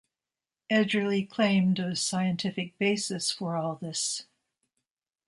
Edgerly claimed a scientific basis for all this.